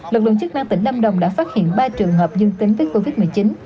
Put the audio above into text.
lực lượng chức năng tỉnh lâm đồng đã phát hiện ba trường hợp dương tính với covid một mươi chín